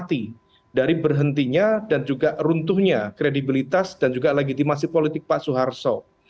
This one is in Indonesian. jadi itu sudah mati dari berhentinya dan juga runtuhnya kredibilitas dan juga legitimasi politik pak soeharto